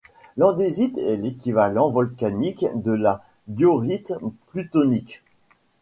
L'andésite est l'équivalent volcanique de la diorite plutonique.